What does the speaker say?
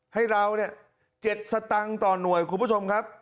ให้เราเนี่ย๗สตางค์ต่อหน่วยคุณผู้ชมครับ